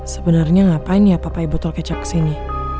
sebenarnya ngapain ya papaya botol kecap kesini